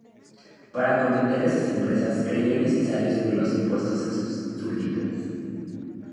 Para acometer esas empresas creyó necesario subir los impuestos a sus súbditos.